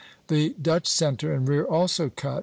The Dutch centre and rear also cut (Fig.